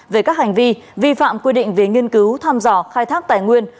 về các hành vi vi phạm quy định về nghiên cứu thăm dò khai thác tài nguyên